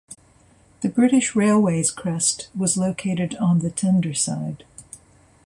The British Railways crest was located on the tender side.